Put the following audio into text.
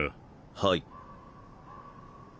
はい。